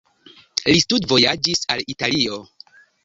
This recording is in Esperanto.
Li studvojaĝis al Italio.